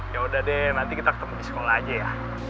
yaudah deh nanti kita ketemu di sekolah aja ya